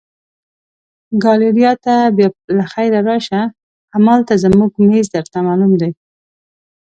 ګالیریا ته بیا له خیره راشه، همالته زموږ مېز درته معلوم دی.